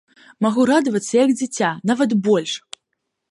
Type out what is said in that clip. Магу радавацца як дзіця, нават больш!